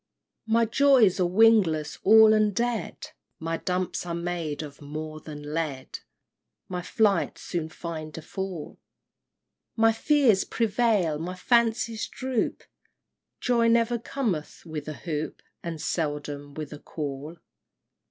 V. My joys are wingless all and dead; My dumps are made of more than lead; My flights soon find a fall; My fears prevail, my fancies droop, Joy never cometh with a hoop, And seldom with a call!